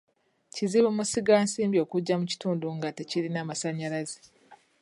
Kizibu musigansimbi okujja mu kitundu nga tekirina masannyalaze.